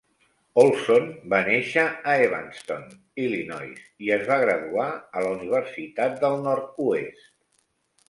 Olson va néixer a Evanston, Illinois, i es va graduar a la Universitat del Nord-oest.